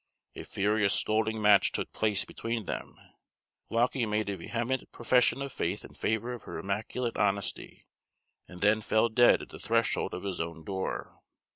A furious scolding match took place between them; Lauckie made a vehement profession of faith in favor of her immaculate honesty, and then fell dead at the threshold of his own door.